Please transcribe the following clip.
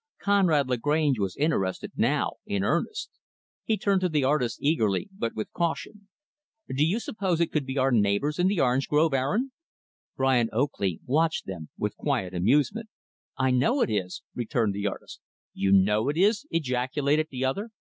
Conrad Lagrange was interested, now, in earnest He turned to the artist, eagerly but with caution "Do you suppose it could be our neighbors in the orange grove, Aaron?" Brian Oakley watched them with quiet amusement. "I know it is," returned the artist. "You know it is!" ejaculated the other.